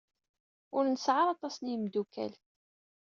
Ur nesɛi ara aṭas n yimeddukal.